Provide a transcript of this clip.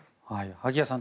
萩谷さん